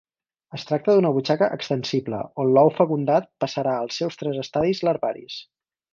Es tracta d'una butxaca extensible on l'ou fecundat passarà els seus tres estadis larvaris.